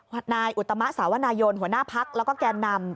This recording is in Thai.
นายอุตมะสาวนายนหัวหน้าพักแล้วก็แกนนำ